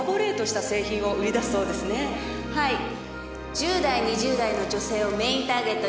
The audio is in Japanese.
１０代２０代の女性をメーンターゲットに。